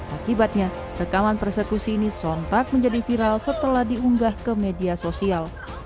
akibatnya rekaman persekusi ini sontak menjadi viral setelah diunggah ke media sosial